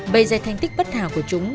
bây giờ thành tích bất hảo của chúng